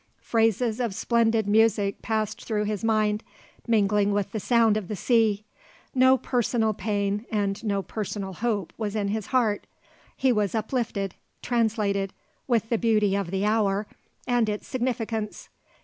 Phrases of splendid music passed through his mind, mingling with the sound of the sea. No personal pain and no personal hope was in his heart. He was uplifted, translated, with the beauty of the hour and its significance.